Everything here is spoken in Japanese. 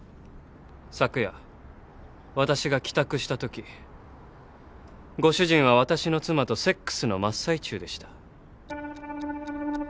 昨夜私が帰宅した時ご主人は私の妻とセックスの真っ最中でした。